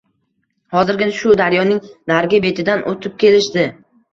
Hozirgina shu daryoning narigi betidan o`tib kelishdi